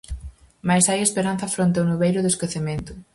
Mais hai esperanza fronte ao nubeiro do esquecemento.